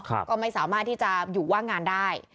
ก็ไม่สามารถที่จะอยู่ว่างงานได้